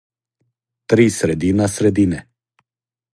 Три средина средине